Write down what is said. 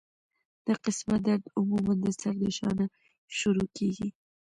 دا قسمه درد عموماً د سر د شا نه شورو کيږي